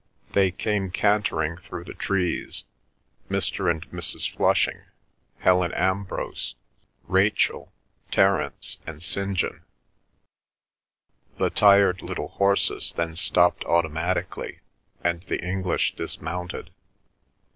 They came cantering through the trees—Mr. and Mrs. Flushing, Helen Ambrose, Rachel, Terence, and St. John. The tired little horses then stopped automatically, and the English dismounted.